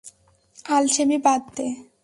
আলসেমি বাদ দে।